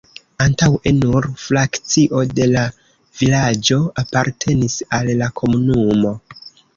Antaŭe nur frakcio de la vilaĝo apartenis al la komunumo.